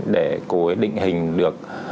để cô ấy định hình được